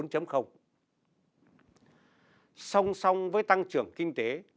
song song với tăng trưởng kinh tế